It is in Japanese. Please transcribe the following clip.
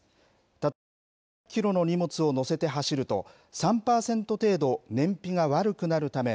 例えば１００キロの荷物を載せて走ると、３％程度、燃費が悪くなるため、